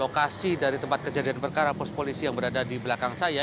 lokasi dari tempat kejadian perkara pos polisi yang berada di belakang saya